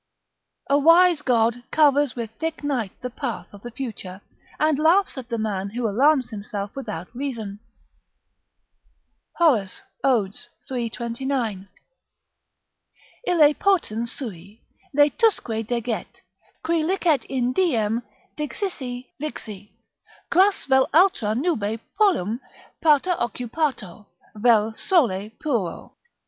["A wise God covers with thick night the path of the future, and laughs at the man who alarms himself without reason." Hor., Od., iii. 29.] "Ille potens sui Laetusque deget, cui licet in diem Dixisse vixi! cras vel atra Nube polum pater occupato, Vel sole puro."